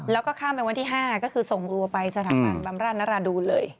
แล้วก็ข้ามไปวันที่๕ก็คือส่งรัวไปสถาบันบำราชนราดูนเลย